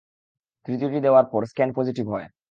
তৃতীয়টি দেওয়ার পর স্ক্যান পজিটিভ হয়।